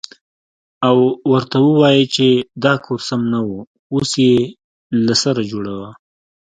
او ورته ووايې چې دا کور سم نه و اوس يې له سره جوړوه.